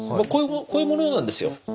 こういうものなんですよ